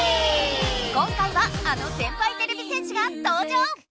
今回はあの先輩てれび戦士が登場！